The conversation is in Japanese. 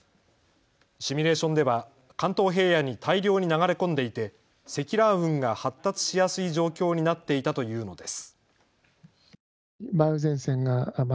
シミュレーションでは関東平野に大量に流れ込んでいて積乱雲が発達しやすい状況になっていたというのです。